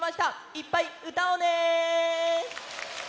いっぱいうたおうね！